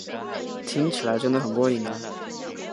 听起来真得很过瘾呢